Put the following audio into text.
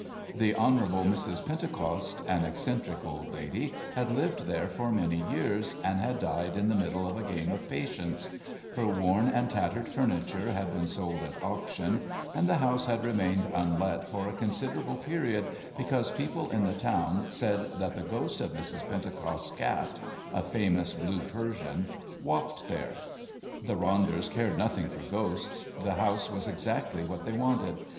The Hon. Mrs. Pentecoste, an eccentric old lady, had lived there for many years, and had died in the middle of a game of patience; her worn and tattered furniture had been sold at auction, and the house had remained unlet for a considerable period because people in the town said that the ghost of Mrs. Pentecoste's cat (a famous blue Persian) walked there. The Ronders cared nothing for ghosts; the house was exactly what they wanted.